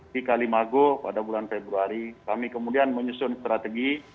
di kalimago pada bulan februari kami kemudian menyusun strategi